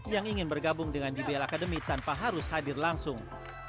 yang ingin bergabung dengan dbl academy tanpa harus hadir langsung